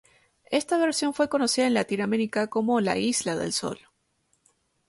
Esta versión fue conocida en Latinoamerica como La Isla Del Sol.